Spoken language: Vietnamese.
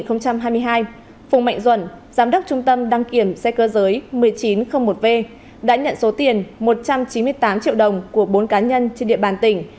phùng mạnh xuân giám đốc trung tâm đăng kiểm xe cơ giới một nghìn chín trăm linh một v đã nhận số tiền một trăm chín mươi tám triệu đồng của bốn cá nhân trên địa bàn tỉnh